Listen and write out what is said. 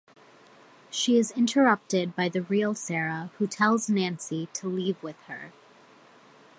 She is interrupted by the real Sarah who tells Nancy to leave with her.